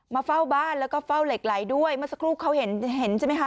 เฝ้าบ้านแล้วก็เฝ้าเหล็กไหลด้วยเมื่อสักครู่เขาเห็นเห็นใช่ไหมคะ